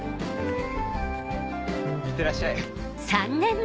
いってらっしゃい。